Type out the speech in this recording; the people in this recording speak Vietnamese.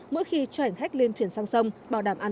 mỗi khi cho hành khách lên thuyền sang sông bảo đảm an toàn